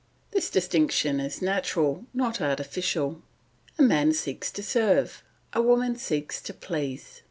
This distinction is natural, not artificial. A man seeks to serve, a woman seeks to please.